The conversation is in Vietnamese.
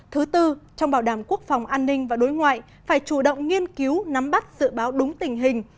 thứ tư trong bảo đảm quốc phòng an ninh và đối ngoại phải chủ động nghiên cứu nắm bắt dự báo đúng tình hình